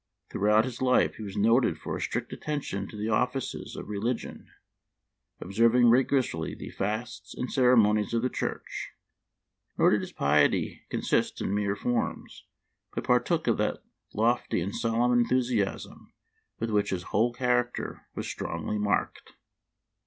Throughout his life he was noted for a strict attention to the offices of religion, observing rigorously the fasts and ceremonies of the Church ; nor did his piety consist in mere forms, but partook of that lofty and solemn enthusiasm with which his whole character was strongly marked."